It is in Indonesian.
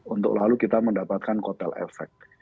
untuk lalu kita mendapatkan koteleffek